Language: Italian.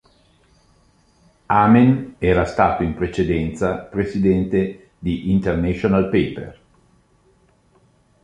Amen era stato in precedenza presidente di International Paper.